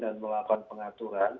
dan melakukan pengaturan